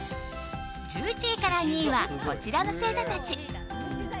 １１位から２位はこちらの星座たち。